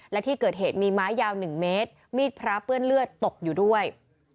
และที่เกิดเหตุมีไม้ยาว๑เมตรมีดพระเปื้อนเลือดตกอยู่ด้วย